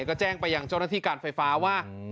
ก็แจ้งไปยังเจ้าหน้าที่การไฟฟ้าว่า